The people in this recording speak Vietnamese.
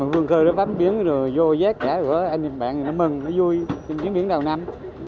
vương khơ bám biển vô giác cả bạn mừng vui chuyến biển đầu năm